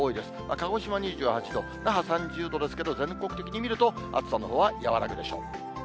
鹿児島２８度、那覇３０度ですけど、全国的に見ると、暑さのほうは和らぐでしょう。